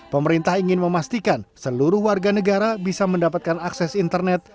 pemerintah ingin memastikan seluruh warga negara bisa mendapatkan akses internet